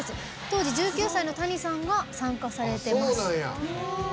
当時１９歳のＴａｎｉさんが参加されてます。